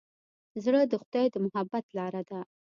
زړه د خدای د محبت لاره ده.